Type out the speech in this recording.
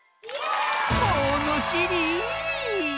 ものしり！